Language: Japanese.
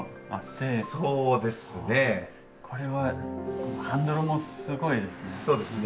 これはハンドルもすごいですね。